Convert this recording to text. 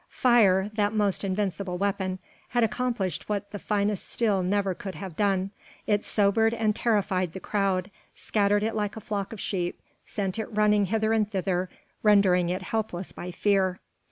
Fire that most invincible weapon had accomplished what the finest steel never could have done; it sobered and terrified the crowd, scattered it like a flock of sheep, sent it running hither and thither, rendering it helpless by fear.